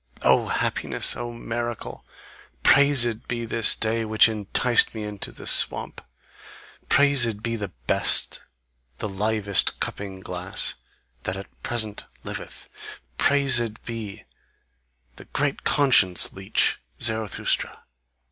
O happiness! O miracle! Praised be this day which enticed me into the swamp! Praised be the best, the livest cupping glass, that at present liveth; praised be the great conscience leech Zarathustra!"